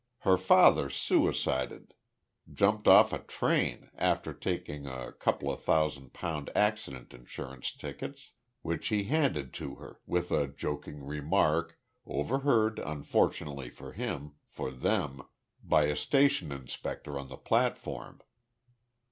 Her father suicided. Jumped off a train, after taking a couple of thousand pound accident insurance tickets, which he handed to her, with a joking remark, overheard unfortunately for him for them by a station inspector on the platform.